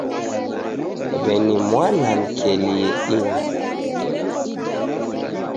W'eni mwana mkelie inyo.